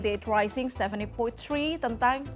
terima kasih stephanie